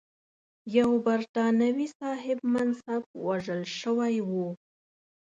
یو برټانوي صاحب منصب وژل شوی و.